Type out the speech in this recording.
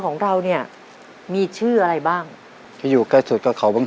ของเราเนี่ยมีชื่ออะไรบ้างที่อยู่ใกล้สุดกับเขาบ้าง